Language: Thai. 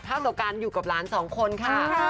ท่านหลักการณ์อยู่กับร้านสองคนค่ะค่ะ